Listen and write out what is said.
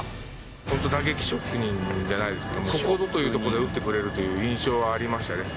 本当打撃職人じゃないですけどここぞというとこで打ってくれるという印象はありましたね。